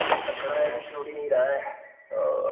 په ځنګله کي ګرځېدمه ستړی پلی -